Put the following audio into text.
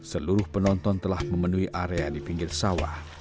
seluruh penonton telah memenuhi area di pinggir sawah